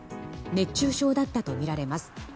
熱中症だったとみられます。